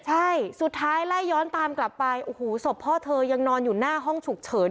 ใช่สุดท้ายไล่ย้อนตามกลับไปโอ้โหศพพ่อเธอยังนอนอยู่หน้าห้องฉุกเฉิน